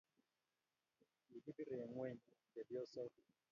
kikibire ng'weny chepyosok